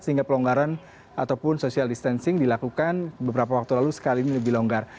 sehingga pelonggaran ataupun social distancing dilakukan beberapa waktu lalu sekali ini lebih longgar